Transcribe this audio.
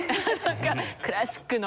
クラシックの。